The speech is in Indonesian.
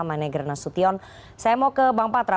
saya mau ke bang patra